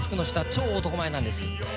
超男前なんです。